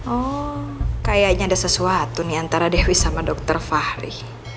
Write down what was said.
oh kayaknya ada sesuatu nih antara dewi sama dokter fahri